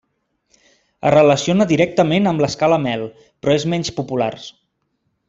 Es relaciona directament amb l'escala mel, però és menys populars.